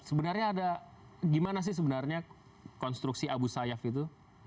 sebenarnya ada gimana sih sebenarnya konstruksi abu sayyaf itu